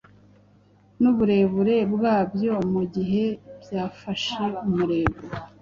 n’uburebure bwabyo mu gihe byafashe umurego.